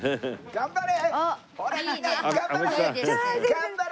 頑張れ！